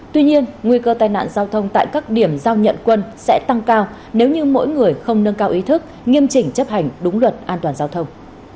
tuy nhiên nguy cơ tai nạn giao thông tại các điểm giao nhận quân sẽ tăng cao nếu như mỗi người không nâng cao ý thức nghiêm chỉnh chấp hành đúng luật an toàn giao thông